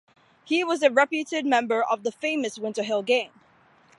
He was a reputed member of the famous Winter Hill Gang.